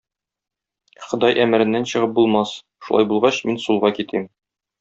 Ходай әмереннән чыгып булмас, шулай булгач, мин сулга китим.